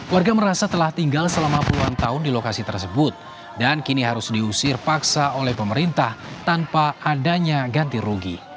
warga merasa telah tinggal selama puluhan tahun di lokasi tersebut dan kini harus diusir paksa oleh pemerintah tanpa adanya ganti rugi